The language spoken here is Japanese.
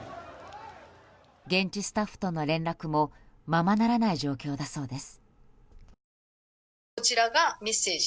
現地スタッフとの連絡もままならない状況だそうです。